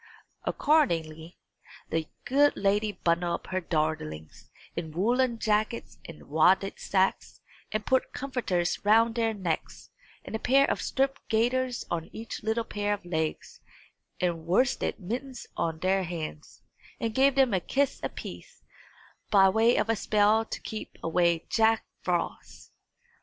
Accordingly, the good lady bundled up her darlings in woollen jackets and wadded sacks, and put comforters round their necks, and a pair of striped gaiters on each little pair of legs, and worsted mittens on their hands, and gave them a kiss apiece, by way of a spell to keep away Jack Frost.